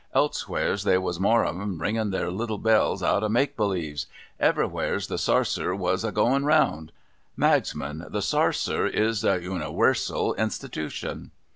Elsewheres, they was most of 'em ringin their little bells out of make believes. Everywheres, the sarser was a goin round. Magsman, the sarser is the uniwersal Institution